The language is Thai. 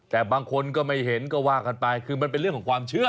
แต่บางคนก็ไม่เห็นก็ว่ากันไปคือมันเป็นเรื่องของความเชื่อ